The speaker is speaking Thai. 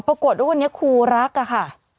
ประกวดด้วยคนนี้ครูรักอะค่ะ